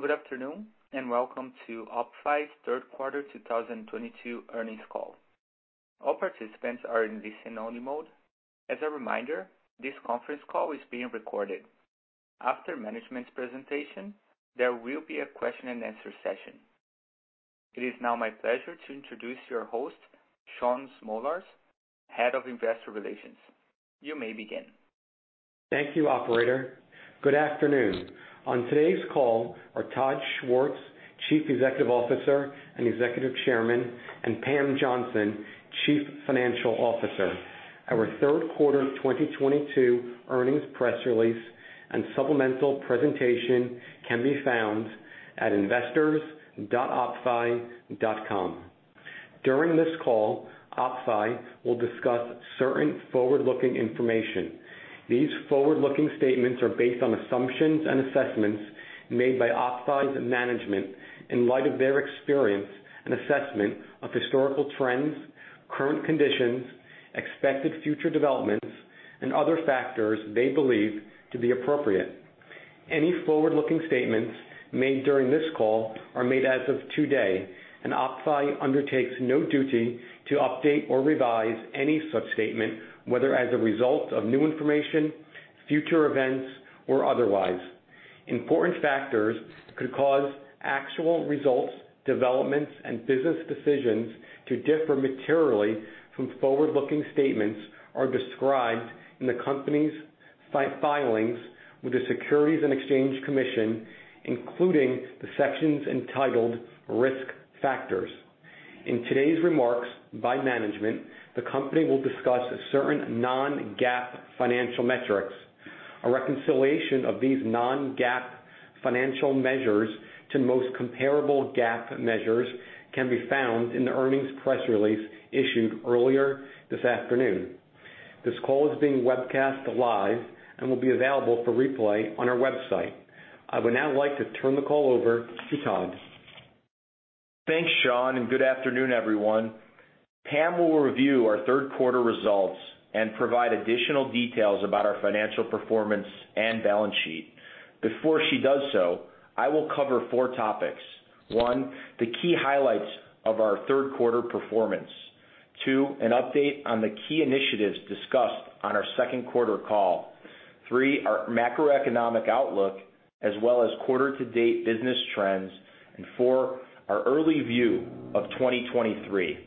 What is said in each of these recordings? Good afternoon, and welcome to OppFi's third quarter 2022 earnings call. All participants are in listen only mode. As a reminder, this conference call is being recorded. After management's presentation, there will be a question and answer session. It is now my pleasure to introduce your host, Shaun Smolarz, Head of Investor Relations. You may begin. Thank you, operator. Good afternoon. On today's call are Todd Schwartz, Chief Executive Officer and Executive Chairman, and Pam Johnson, Chief Financial Officer. Our third quarter 2022 earnings press release and supplemental presentation can be found at investors.oppfi.com. During this call, OppFi will discuss certain forward-looking information. These forward-looking statements are based on assumptions and assessments made by OppFi's management in light of their experience and assessment of historical trends, current conditions, expected future developments, and other factors they believe to be appropriate. Any forward-looking statements made during this call are made as of today, and OppFi undertakes no duty to update or revise any such statement, whether as a result of new information, future events, or otherwise. Important factors could cause actual results, developments, and business decisions to differ materially from forward-looking statements, are described in the company's filings with the Securities and Exchange Commission, including the sections entitled Risk Factors. In today's remarks by management, the company will discuss certain non-GAAP financial metrics. A reconciliation of these non-GAAP financial measures to most comparable GAAP measures can be found in the earnings press release issued earlier this afternoon. This call is being webcast live and will be available for replay on our website. I would now like to turn the call over to Todd. Thanks, Shaun, and good afternoon, everyone. Pam will review our third quarter results and provide additional details about our financial performance and balance sheet. Before she does so, I will cover four topics. One, the key highlights of our third quarter performance. Two, an update on the key initiatives discussed on our second quarter call. Three, our macroeconomic outlook as well as quarter-to-date business trends. And four, our early view of 2023.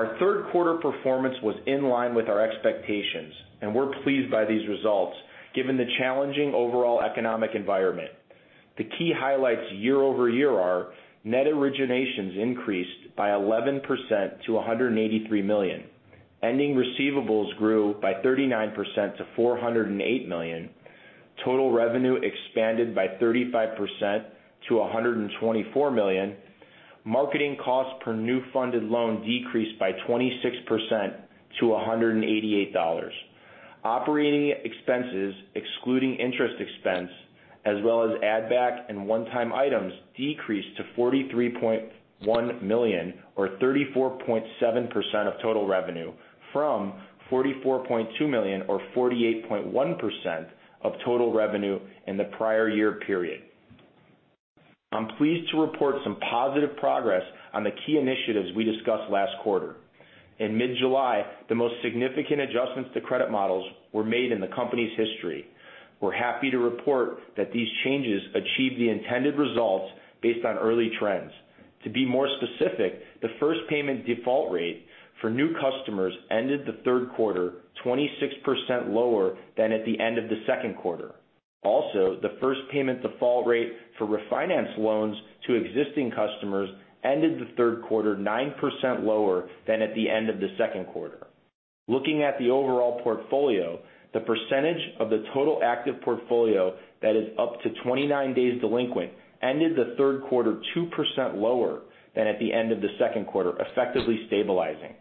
Our third quarter performance was in line with our expectations, and we're pleased by these results given the challenging overall economic environment. The key highlights year-over-year are net originations increased by 11% to $183 million. Ending receivables grew by 39% to $408 million. Total revenue expanded by 35% to $124 million. Marketing costs per new funded loan decreased by 26% to $188. Operating expenses excluding interest expense as well as add back and one-time items decreased to $43.1 million or 34.7% of total revenue from $44.2 million or 48.1% of total revenue in the prior year period. I'm pleased to report some positive progress on the key initiatives we discussed last quarter. In mid-July, the most significant adjustments to credit models were made in the company's history. We're happy to report that these changes achieved the intended results based on early trends. To be more specific, the first payment default rate for new customers ended the third quarter 26% lower than at the end of the second quarter. Also, the first payment default rate for refinance loans to existing customers ended the third quarter 9% lower than at the end of the second quarter. Looking at the overall portfolio, the percentage of the total active portfolio that is up to 29 days delinquent ended the third quarter 2% lower than at the end of the second quarter, effectively stabilizing.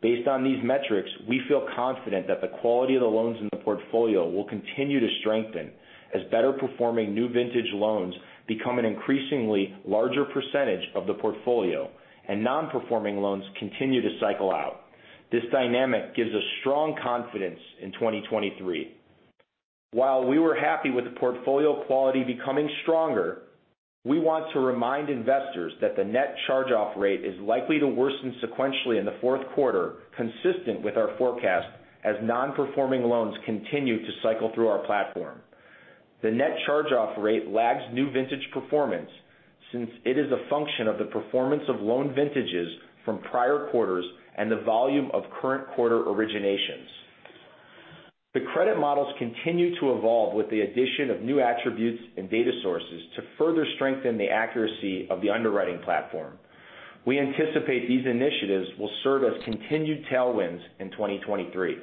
Based on these metrics, we feel confident that the quality of the loans in the portfolio will continue to strengthen as better performing new vintage loans become an increasingly larger percentage of the portfolio and non-performing loans continue to cycle out. This dynamic gives us strong confidence in 2023. While we were happy with the portfolio quality becoming stronger, we want to remind investors that the net charge-off rate is likely to worsen sequentially in the fourth quarter, consistent with our forecast as non-performing loans continue to cycle through our platform. The net charge-off rate lags new vintage performance since it is a function of the performance of loan vintages from prior quarters and the volume of current quarter originations. The credit models continue to evolve with the addition of new attributes and data sources to further strengthen the accuracy of the underwriting platform. We anticipate these initiatives will serve as continued tailwinds in 2023. In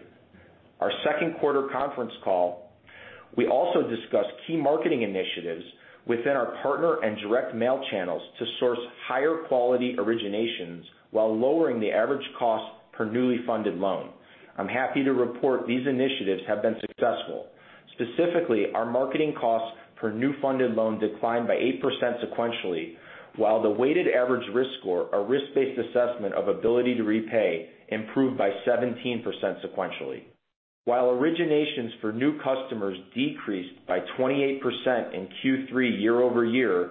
our second quarter conference call, we also discussed key marketing initiatives within our partner and direct mail channels to source higher quality originations while lowering the average cost per newly funded loan. I'm happy to report these initiatives have been successful. Specifically, our marketing costs for new funded loans declined by 8% sequentially, while the weighted average risk score or risk-based assessment of ability to repay improved by 17% sequentially. While originations for new customers decreased by 28% in Q3 year-over-year,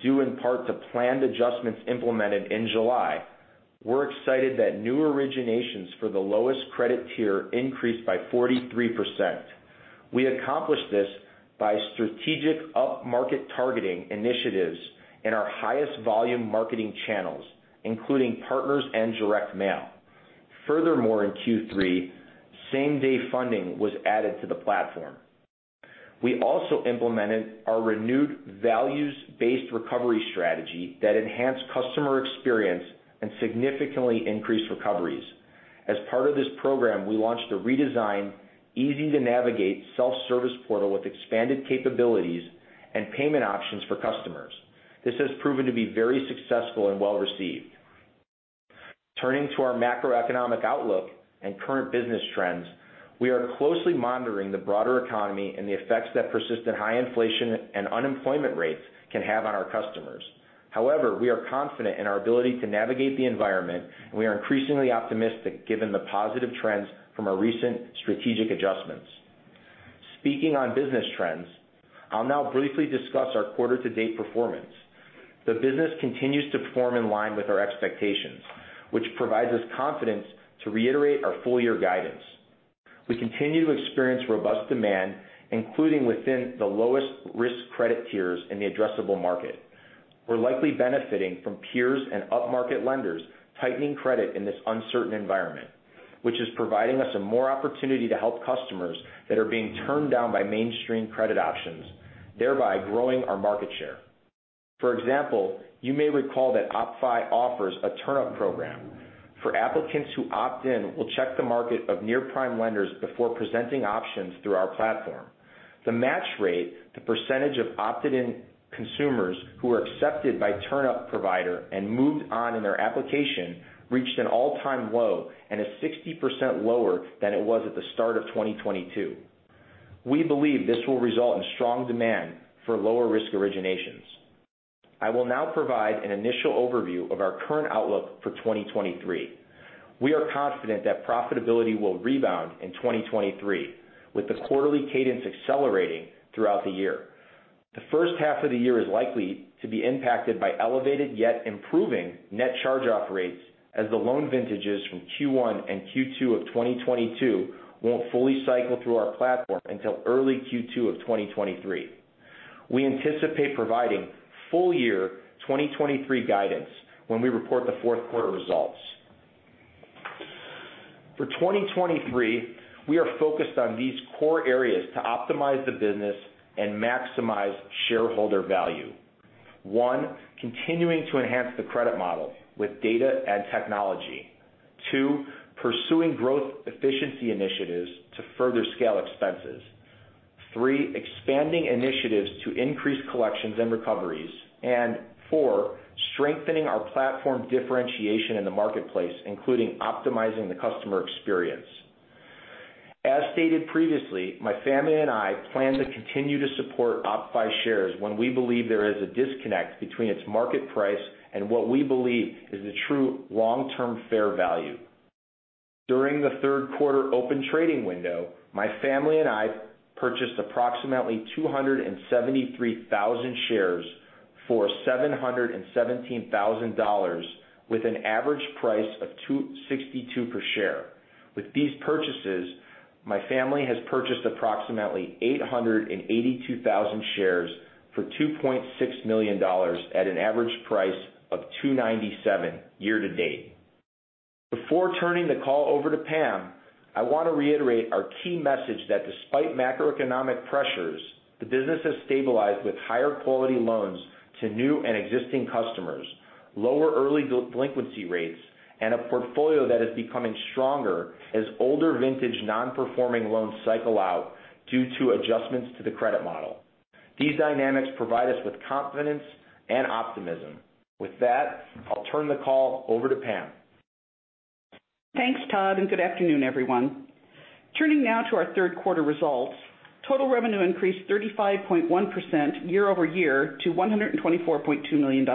due in part to planned adjustments implemented in July, we're excited that new originations for the lowest credit tier increased by 43%. We accomplished this by strategic upmarket targeting initiatives in our highest volume marketing channels, including partners and direct mail. Furthermore, in Q3, Same-Day Funding was added to the platform. We also implemented our renewed values-based recovery strategy that enhanced customer experience and significantly increased recoveries. As part of this program, we launched a redesigned, easy-to-navigate self-service portal with expanded capabilities and payment options for customers. This has proven to be very successful and well-received. Turning to our macroeconomic outlook and current business trends, we are closely monitoring the broader economy and the effects that persistent high inflation and unemployment rates can have on our customers. However, we are confident in our ability to navigate the environment, and we are increasingly optimistic given the positive trends from our recent strategic adjustments. Speaking on business trends, I'll now briefly discuss our quarter to date performance. The business continues to perform in line with our expectations, which provides us confidence to reiterate our full year guidance. We continue to experience robust demand, including within the lowest risk credit tiers in the addressable market. We're likely benefiting from peers and upmarket lenders tightening credit in this uncertain environment, which is providing us more opportunity to help customers that are being turned down by mainstream credit options, thereby growing our market share. For example, you may recall that OppFi offers a TurnUp Program for applicants who opt in, we'll check the marketplace of near-prime lenders before presenting options through our platform. The match rate, the percentage of opted-in consumers who are accepted by TurnUp provider and moved on in their application, reached an all-time low and is 60% lower than it was at the start of 2022. We believe this will result in strong demand for lower risk originations. I will now provide an initial overview of our current outlook for 2023. We are confident that profitability will rebound in 2023, with the quarterly cadence accelerating throughout the year. The first half of the year is likely to be impacted by elevated yet improving net charge-off rates as the loan vintages from Q1 and Q2 of 2022 won't fully cycle through our platform until early Q2 of 2023. We anticipate providing full year 2023 guidance when we report the fourth quarter results. For 2023, we are focused on these core areas to optimize the business and maximize shareholder value. One, continuing to enhance the credit model with data and technology. Two, pursuing growth efficiency initiatives to further scale expenses. Three, expanding initiatives to increase collections and recoveries. Four, strengthening our platform differentiation in the marketplace, including optimizing the customer experience. As stated previously, my family and I plan to continue to support OppFi shares when we believe there is a disconnect between its market price and what we believe is the true long-term fair value. During the third quarter open trading window, my family and I purchased approximately 273,000 shares for $717,000 with an average price of $2.62 per share. With these purchases, my family has purchased approximately 882,000 shares for $2.6 million at an average price of $2.97 year to date. Before turning the call over to Pam, I want to reiterate our key message that despite macroeconomic pressures, the business has stabilized with higher quality loans to new and existing customers, lower early delinquency rates, and a portfolio that is becoming stronger as older vintage non-performing loans cycle out due to adjustments to the credit model. These dynamics provide us with confidence and optimism. With that, I'll turn the call over to Pam. Thanks, Todd, and good afternoon, everyone. Turning now to our third quarter results. Total revenue increased 35.1% year-over-year to $124.2 million.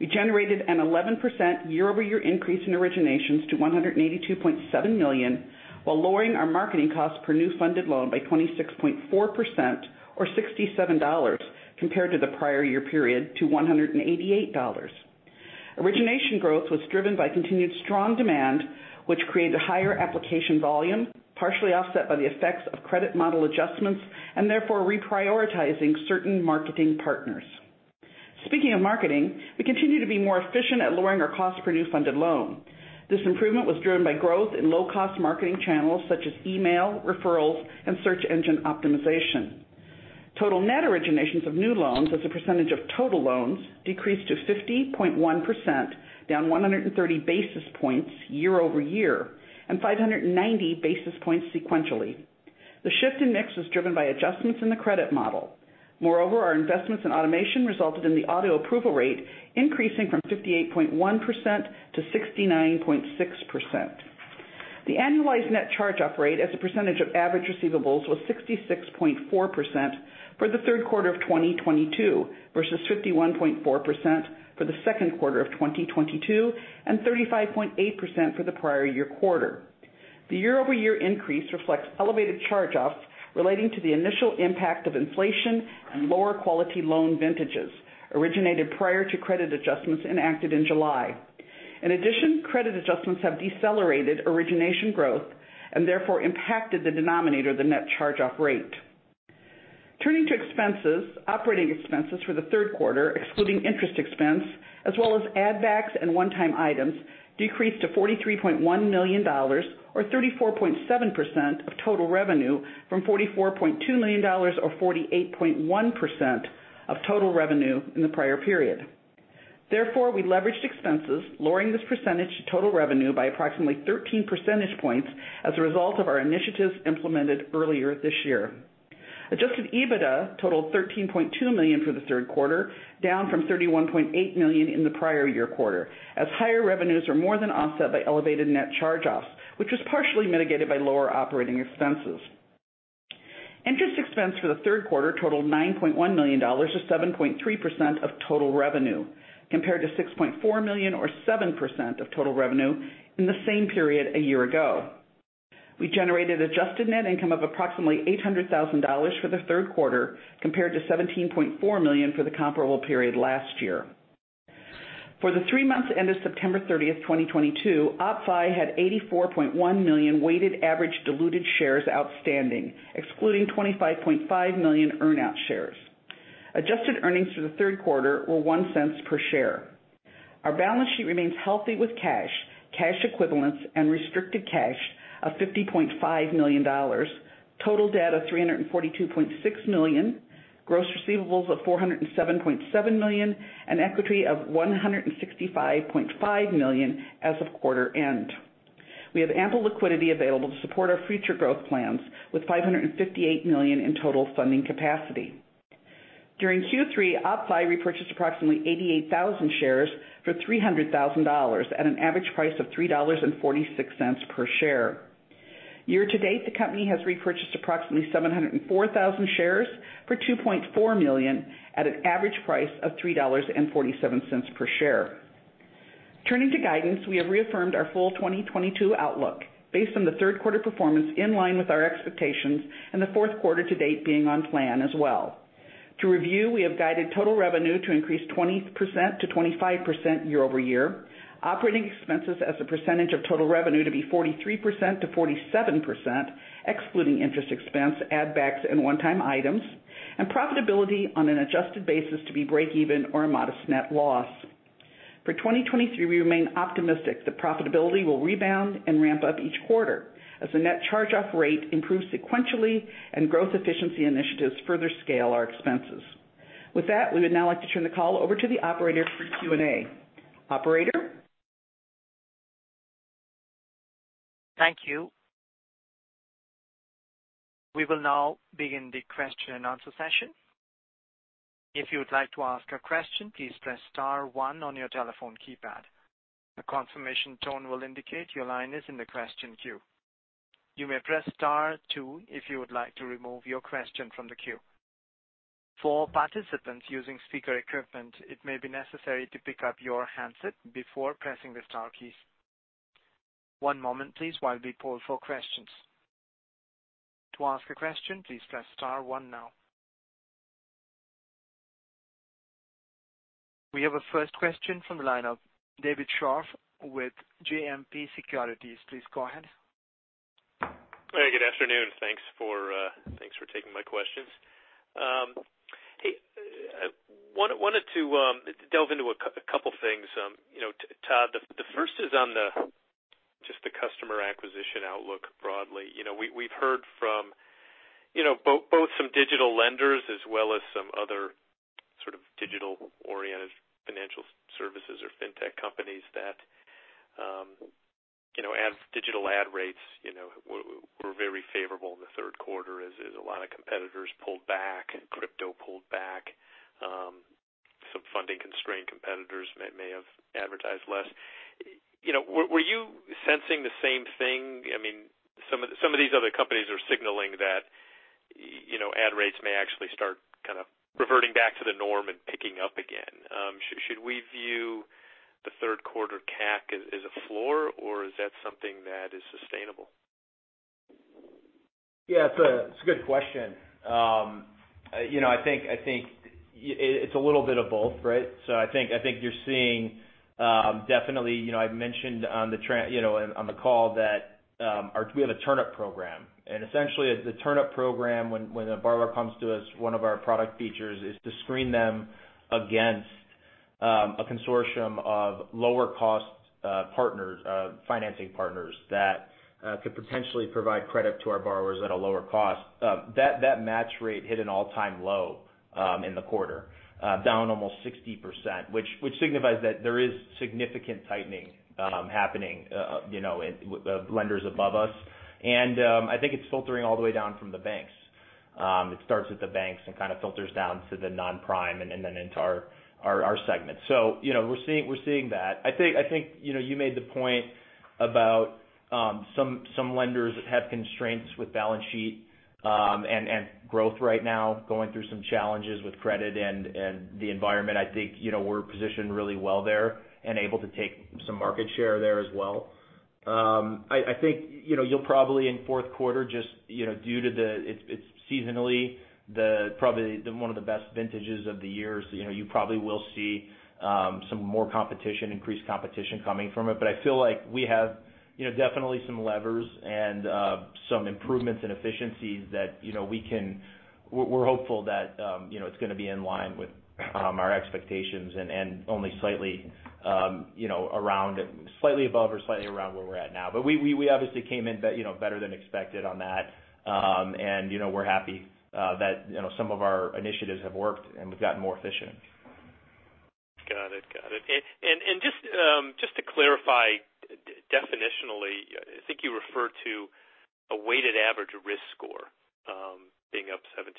We generated an 11% year-over-year increase in originations to $182.7 million, while lowering our marketing costs per new funded loan by 26.4% or $67 compared to the prior year period to $188. Origination growth was driven by continued strong demand, which created higher application volume, partially offset by the effects of credit model adjustments and therefore reprioritizing certain marketing partners. Speaking of marketing, we continue to be more efficient at lowering our cost per new funded loan. This improvement was driven by growth in low-cost marketing channels such as email, referrals, and search engine optimization. Total net originations of new loans as a percentage of total loans decreased to 50.1%, down 130 basis points year-over-year and 590 basis points sequentially. The shift in mix was driven by adjustments in the credit model. Moreover, our investments in automation resulted in the auto approval rate increasing from 58.1% to 69.6%. The annualized net charge-off rate as a percentage of average receivables was 66.4% for the third quarter of 2022 versus 51.4% for the second quarter of 2022 and 35.8% for the prior year quarter. The year-over-year increase reflects elevated charge-offs relating to the initial impact of inflation and lower quality loan vintages originated prior to credit adjustments enacted in July. In addition, credit adjustments have decelerated origination growth and therefore impacted the denominator, the net charge-off rate. Turning to expenses. Operating expenses for the third quarter, excluding interest expense as well as add backs and one-time items, decreased to $43.1 million or 34.7% of total revenue from $44.2 million or 48.1% of total revenue in the prior period. Therefore, we leveraged expenses, lowering this percentage to total revenue by approximately 13 percentage points as a result of our initiatives implemented earlier this year. Adjusted EBITDA totaled $13.2 million for the third quarter, down from $31.8 million in the prior year quarter, as higher revenues are more than offset by elevated net charge-offs, which was partially mitigated by lower operating expenses. Interest expense for the third quarter totaled $9.1 million or 7.3% of total revenue, compared to $6.4 million or 7% of total revenue in the same period a year ago. We generated adjusted net income of approximately $800,000 for the third quarter, compared to $17.4 million for the comparable period last year. For the three months ended September 30, 2022, OppFi had 84.1 million weighted average diluted shares outstanding, excluding 25.5 million earn-out shares. Adjusted earnings for the third quarter were $0.01 per share. Our balance sheet remains healthy with cash equivalents, and restricted cash of $50.5 million. Total debt of $342.6 million. Gross receivables of $407.7 million, and equity of $165.5 million as of quarter end. We have ample liquidity available to support our future growth plans with $558 million in total funding capacity. During Q3, OppFi repurchased approximately 88,000 shares for $300,000 at an average price of $3.46 per share. Year to date, the company has repurchased approximately 704,000 shares for $2.4 million at an average price of $3.47 per share. Turning to guidance, we have reaffirmed our full 2022 outlook based on the third quarter performance in line with our expectations and the fourth quarter to date being on plan as well. To review, we have guided total revenue to increase 20%-25% year-over-year. Operating expenses as a percentage of total revenue to be 43%-47%, excluding interest expense, add backs and one-time items. Profitability on an adjusted basis to be breakeven or a modest net loss. For 2023, we remain optimistic that profitability will rebound and ramp up each quarter as the net charge-off rate improves sequentially and growth efficiency initiatives further scale our expenses. With that, we would now like to turn the call over to the operator for Q&A. Operator? Thank you. We will now begin the question and answer session. If you would like to ask a question, please press star one on your telephone keypad. A confirmation tone will indicate your line is in the question queue. You may press star two if you would like to remove your question from the queue. For participants using speaker equipment, it may be necessary to pick up your handset before pressing the star keys. One moment please while we poll for questions. To ask a question, please press star one now. We have a first question from the line of David Scharf with JMP Securities. Please go ahead. Hey, good afternoon. Thanks for taking my questions. Hey, wanted to delve into a couple things. You know, Todd, the first is on just the customer acquisition outlook broadly. You know, we've heard from, you know, both some digital lenders as well as some other sort of digital-oriented financial services or fintech companies that, you know, digital ad rates were very favorable in the third quarter as a lot of competitors pulled back, crypto pulled back, some funding-constrained competitors may have advertised less. You know, were you sensing the same thing? I mean, some of these other companies are signaling that, you know, ad rates may actually start kind of reverting back to the norm and picking up again. Should we view the third quarter CAC as a floor, or is that something that is sustainable? Yeah, it's a good question. You know, I think it's a little bit of both, right? I think you're seeing definitely, you know, I've mentioned, you know, on the call that we have a TurnUp Program. Essentially the TurnUp Program, when a borrower comes to us, one of our product features is to screen them against a consortium of lower cost partners, financing partners that could potentially provide credit to our borrowers at a lower cost. That match rate hit an all-time low in the quarter, down almost 60%, which signifies that there is significant tightening happening, you know, in with lenders above us. I think it's filtering all the way down from the banks. It starts with the banks and kind of filters down to the non-prime and then into our segment. You know, we're seeing that. I think you made the point about some lenders have constraints with balance sheet and growth right now, going through some challenges with credit and the environment. I think, you know, we're positioned really well there and able to take some market share there as well. I think, you know, you'll probably in fourth quarter just, you know, due to the, it's seasonally probably the one of the best vintages of the years. You know, you probably will see some more competition, increased competition coming from it. I feel like we have, you know, definitely some levers and some improvements in efficiencies. We're hopeful that, you know, it's gonna be in line with our expectations and only slightly, you know, around, slightly above or slightly around where we're at now. We obviously came in, you know, better than expected on that. And, you know, we're happy that, you know, some of our initiatives have worked, and we've gotten more efficient. Got it. Just to clarify definitionally, I think you referred to a weighted average risk score being up 17%.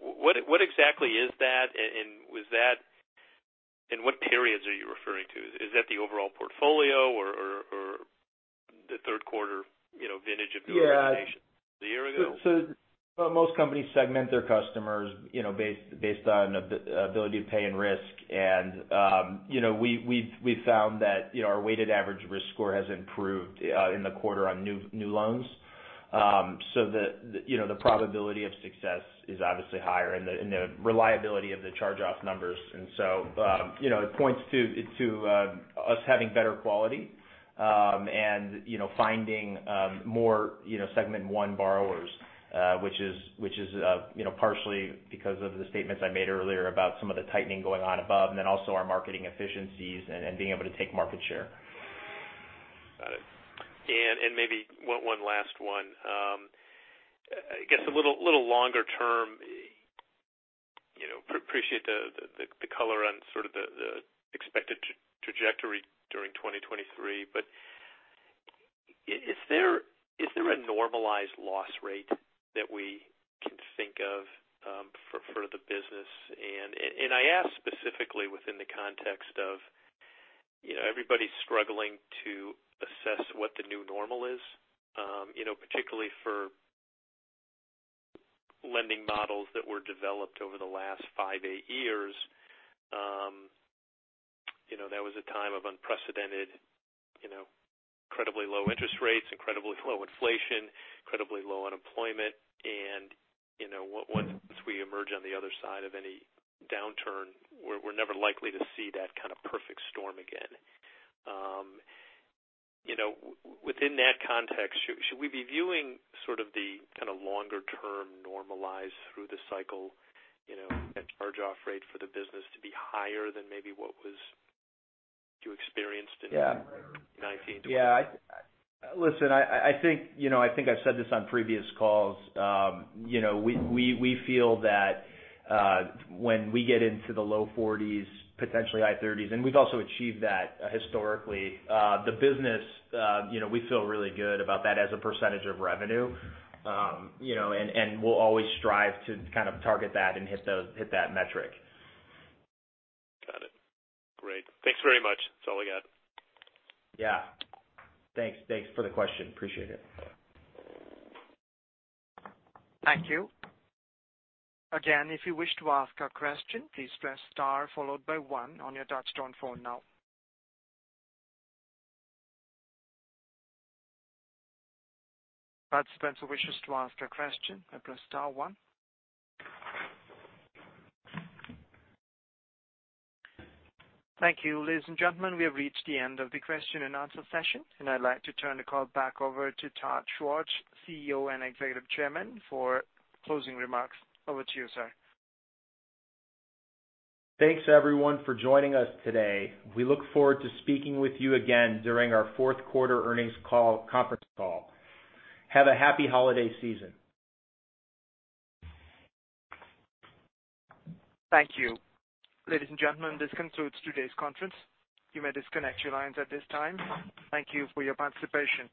What exactly is that, and was that in what periods are you referring to? Is that the overall portfolio or the third quarter, you know, vintage of new origination a year ago? Yeah. Most companies segment their customers, you know, based on ability to pay and risk. You know, we've found that, you know, our weighted average risk score has improved in the quarter on new loans. You know, the probability of success is obviously higher and the reliability of the charge-off numbers. You know, it points to us having better quality and, you know, finding more, you know, segment one borrowers, which is, you know, partially because of the statements I made earlier about some of the tightening going on above, and then also our marketing efficiencies and being able to take market share. Got it. Maybe one last one. I guess a little longer term, you know, appreciate the color on sort of the expected trajectory during 2023. Is there a normalized loss rate that we can think of, for the business? I ask specifically within the context of, you know, everybody's struggling to assess what the new normal is. You know, particularly for lending models that were developed over the last 5-8 years. You know, that was a time of unprecedented, you know, incredibly low interest rates, incredibly low inflation, incredibly low unemployment. You know, once we emerge on the other side of any downturn, we're never likely to see that kind of perfect storm again. Within that context, should we be viewing sort of the kinda longer term normalized through the cycle, you know, a charge-off rate for the business to be higher than maybe what you experienced in 2019, 2020? Yeah. Yeah. Listen, I think you know, I think I've said this on previous calls. You know, we feel that when we get into the low 40s%, potentially high 30s%, and we've also achieved that historically, the business, you know, we feel really good about that as a percentage of revenue. You know, and we'll always strive to kind of target that and hit that metric. Got it. Great. Thanks very much. That's all I got. Yeah. Thanks. Thanks for the question. Appreciate it. Thank you. Again, if you wish to ask a question, please press star followed by one on your touchtone phone now. Participant wishes to ask a question, press star one. Thank you. Ladies and gentlemen, we have reached the end of the question and answer session, and I'd like to turn the call back over to Todd Schwartz, CEO and Executive Chairman, for closing remarks. Over to you, sir. Thanks everyone for joining us today. We look forward to speaking with you again during our fourth quarter earnings call, conference call. Have a happy holiday season. Thank you. Ladies and gentlemen, this concludes today's conference. You may disconnect your lines at this time. Thank you for your participation.